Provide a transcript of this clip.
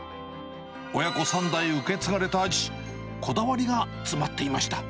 親子３代受け継がれた味、こだわりが詰まっていました。